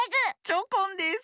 チョコンです。